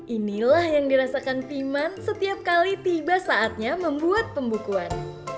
inilah yang dirasakan timman setiap kali tiba saatnya membuat pembukuan